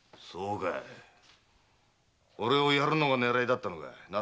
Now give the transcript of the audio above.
そうかい俺を殺るのが狙いだったのかい。